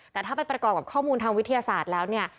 แต่ถ้าไปประกอบกับข้อมูลทางวิทยาศาสตร์แล้วเนี่ย